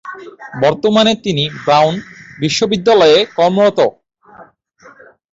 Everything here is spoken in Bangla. বর্তমানে তিনি ব্রাউন বিশ্ববিদ্যালয়ে কর্মরত।